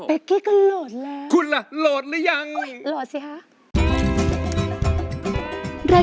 เป็กกี้ก็โหลดแล้ว